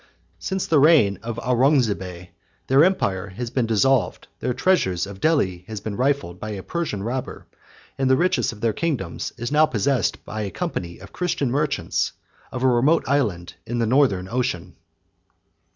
Since the reign of Aurungzebe, their empire had been dissolved; their treasures of Delhi have been rifled by a Persian robber; and the richest of their kingdoms is now possessed by a company of Christian merchants, of a remote island in the Northern Ocean.